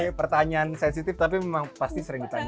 ini pertanyaan sensitif tapi memang pasti sering ditanyain juga